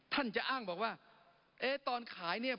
ท่านจะอ้างบอกว่าเอ๊ะตอนขายเนี่ย